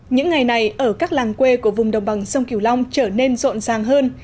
những ngày này ở các làng quê của vùng đồng bằng sông kiều long trở nên rộn ràng hơn